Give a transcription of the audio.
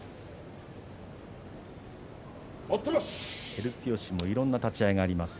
照強もいろいろな立ち合いがあります。